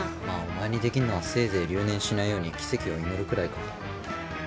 まあお前にできんのはせいぜい留年しないように奇跡を祈るくらいか。